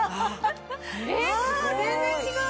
全然違うよ！